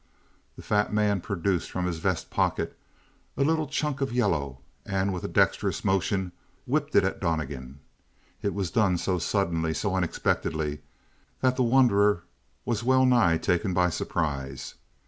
The fat man produced from his vest pocket a little chunk of yellow and with a dexterous motion whipped it at Donnegan. It was done so suddenly, so unexpectedly that the wanderer was well nigh taken by surprise.